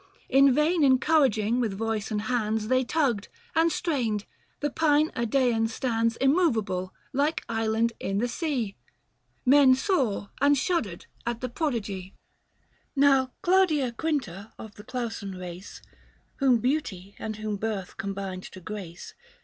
113 In vain encouraging with voice and hands, They tugged, and strained, the pine Idsean stands Immoveable, like island in the sea. 340 Men saw and shuddered at the prodigy ! Now Claudia Quinta of the Clausan race, Whom beauty, and whom birth combined to grace.